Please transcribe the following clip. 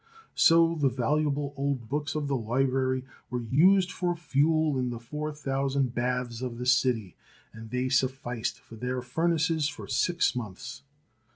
So the valuable old books of the library were used for fuel in the four thousand baths of the city, and they sufficed for their furnaces for six months.